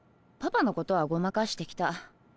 パパのことはごまかしてきた。